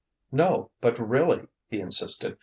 "No, but really!" he insisted.